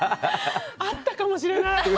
あったかもしれない。